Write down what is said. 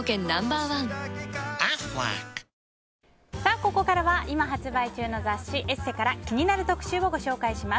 ここからは今発売中の雑誌「ＥＳＳＥ」から気になる特集をご紹介します。